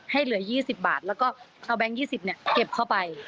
เหลือ๒๐บาทแล้วก็เอาแบงค์๒๐เก็บเข้าไป